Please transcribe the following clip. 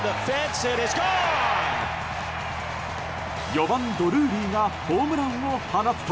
４番、ドルーリーがホームランを放つと。